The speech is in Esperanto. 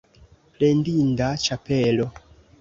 Plendinda ĉapelo!